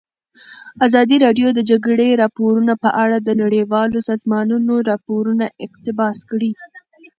ازادي راډیو د د جګړې راپورونه په اړه د نړیوالو سازمانونو راپورونه اقتباس کړي.